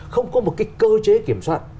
không có một cái cơ chế kiểm soát